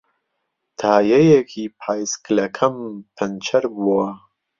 تایەیەکی پایسکلەکەم پەنچەر بووە.